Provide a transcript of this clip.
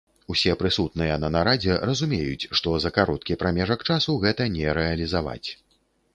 Усе прысутныя на нарадзе разумеюць, што за кароткі прамежак часу гэта не рэалізаваць.